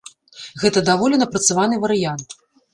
Гэта даволі напрацаваны варыянт.